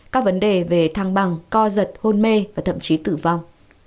các vấn đề về thăng bằng co giật hôn mê và thậm chí tử vong